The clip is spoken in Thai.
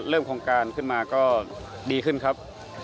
ตอนเริ่มโครงการขึ้นมาก็ดีขึ้นครับ